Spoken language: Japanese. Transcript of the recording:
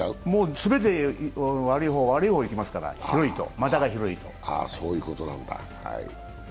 全て悪い方、悪い方へいきますから、股が広いと。